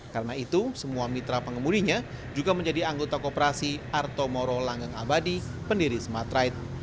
karena itu semua mitra pengemudinya juga menjadi anggota koperasi artomoro langeng abadi pendiri smartride